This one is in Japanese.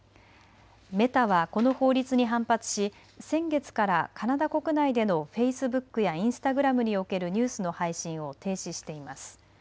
メタはこの法律に反発し先月からカナダ国内でのフェイスブックやインスタグラムにおけるニュースの配信を停止しています。